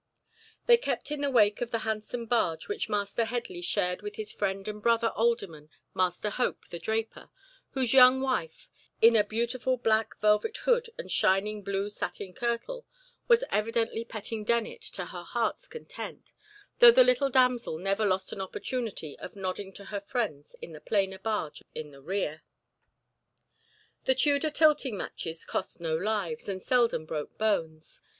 They kept in the wake of the handsome barge which Master Headley shared with his friend and brother alderman, Master Hope the draper, whose young wife, in a beautiful black velvet hood and shining blue satin kirtle, was evidently petting Dennet to her heart's content, though the little damsel never lost an opportunity of nodding to her friends in the plainer barge in the rear. The Tudor tilting matches cost no lives, and seldom broke bones.